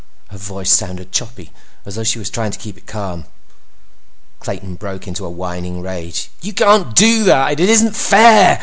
Her voice sounded choppy, as though she were trying to keep it calm. Clayton broke into a whining rage. "You can't do that! It isn't fair!